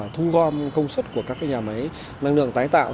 thu gom công suất của các nhà máy năng lượng tái tạo